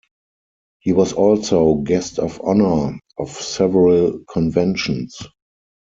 He was also Guest-of-Honour of several conventions.